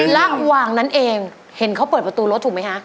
ระหว่างนั้นเองเห็นเขาเปิดประตูรถถูกไหมคะ